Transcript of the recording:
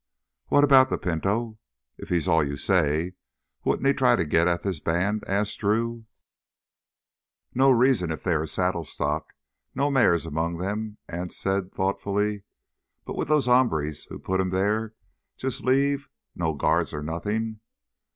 "What about the Pinto? If he's all you say, wouldn't he try to get at this band?" asked Drew. "No reason if they are saddle stock—no mares among them," Anse said thoughtfully. "But would those hombres who put 'em there jus' leave—no guards or nothin'?"